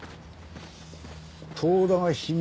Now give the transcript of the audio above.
遠田が秘密